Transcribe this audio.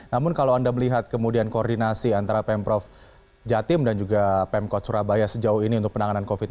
namun kalau anda melihat kemudian koordinasi antara pemprov jatim dan juga pemkot surabaya sejauh ini untuk penanganan covid sembilan belas